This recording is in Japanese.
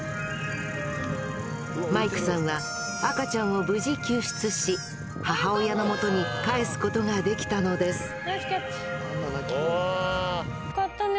マイクさんは赤ちゃんを無事救出し母親のもとにかえすことができたのですよかったね！